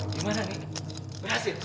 gimana nih berhasil